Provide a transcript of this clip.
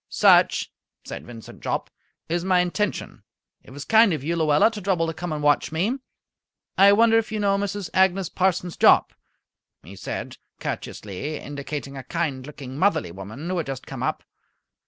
"Such," said Vincent Jopp, "is my intention. It was kind of you, Luella, to trouble to come and watch me. I wonder if you know Mrs. Agnes Parsons Jopp?" he said, courteously, indicating a kind looking, motherly woman who had just come up.